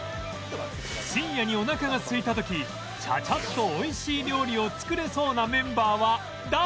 深夜にお腹が空いた時ちゃちゃっと美味しい料理を作れそうなメンバーは誰？